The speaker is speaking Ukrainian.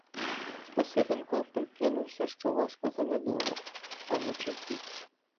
Спасибен- ко прикинувся, що важко занедужав, а вночі втік.